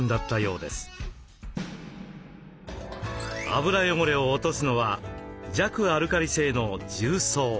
油汚れを落とすのは弱アルカリ性の重曹。